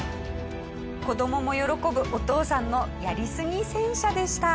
子供も喜ぶお父さんのやりすぎ戦車でした。